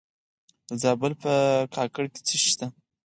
د زابل په کاکړ کې څه شی شته؟